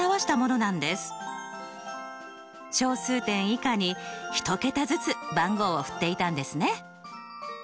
小数点以下に１桁ずつ番号を振っていたんですね。